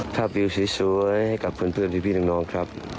วิวสวยให้กับเพื่อนพี่น้องครับ